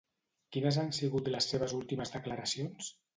Quines han sigut les seves últimes declaracions?